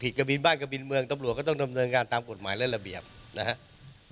กระบินบ้านกระบินเมืองตำรวจก็ต้องดำเนินการตามกฎหมายและระเบียบนะครับ